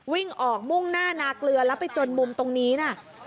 วิ่งออกมุ่งหน้านาเกลือแล้วไปจนมุมตรงนี้นะ